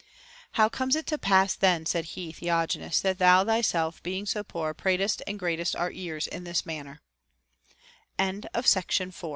* How comes it to pass then, said he, Theognis, that thou thyself being so poor pratest and gratest our ears in this manner I 5.